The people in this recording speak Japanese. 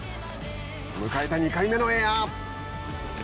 迎えた２回目のエア。